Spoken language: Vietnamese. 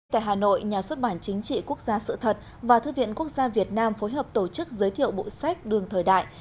tại hà nội nhà xuất bản chính trị quốc gia sự thật và thư viện quốc gia việt nam phối hợp tổ chức giới thiệu bộ sách đường thời đại